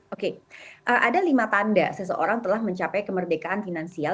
oke ada lima tanda seseorang telah mencapai kemerdekaan finansial